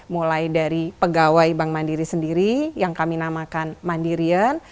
mulai dari pegawai bbm sendiri yang kami namakan mandirian